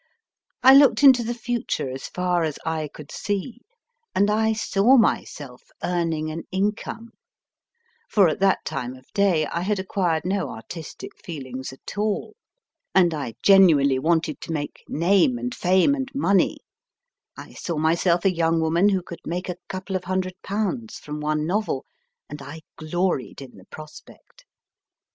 I looked into the future as far as eye could see, and I saw myself earning an income for at that time of day I had acquired no artistic feelings at all, and I genuinely wanted to make name and fame and money I saw myself a young woman who could make a couple of hundred pounds from one novel, and I gloried in the prospect.